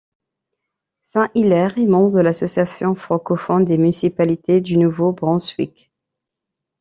Saint-Hilaire est membre de l'Association francophone des municipalités du Nouveau-Brunswick.